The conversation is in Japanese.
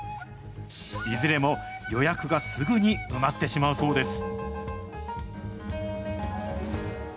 いずれも予約がすぐに埋まってしまうそうです。